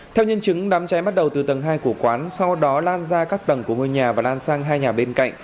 theo nhân chứng đám cháy bắt đầu từ tầng hai của quán sau đó lan ra các tầng của ngôi nhà và lan sang hai nhà bên cạnh